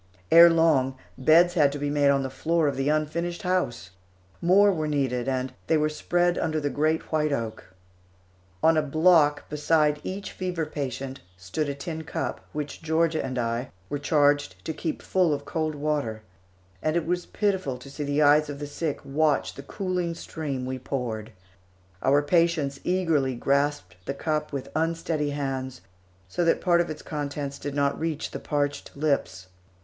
Ere long, beds had to be made on the floor of the unfinished house. More were needed, and they were spread under the great white oak. On a block beside each fever patient stood a tin cup, which Georgia and I were charged to keep full of cold water, and it was pitiful to see the eyes of the sick watch the cooling stream we poured. Our patients eagerly grasped the cup with unsteady hands, so that part of its contents did not reach the parched lips.